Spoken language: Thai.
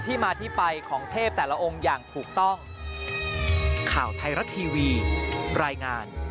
มาที่ไปของเทพแต่ละองค์อย่างถูกต้อง